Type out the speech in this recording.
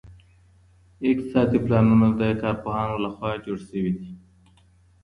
اقتصادي پلانونه د کارپوهانو لخوا جوړ سوي دي.